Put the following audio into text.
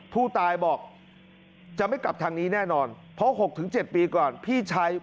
ผู้ตายบอกจะไม่กลับทางนี้แน่นอนเพราะ๖๗ปีก่อนพี่ชาย